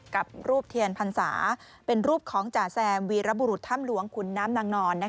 กับรูปเทียนพรรษาเป็นรูปของจ่าแซมวีรบุรุษถ้ำหลวงขุนน้ำนางนอน